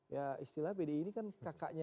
ya istilah pdi ini kan kakaknya